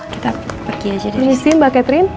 kita pergi aja dari sini